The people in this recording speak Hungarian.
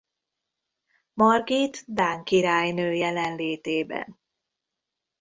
Margit dán királynő jelenlétében.